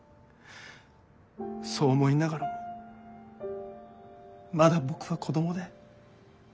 そう思いながらもまだ僕は子どもで。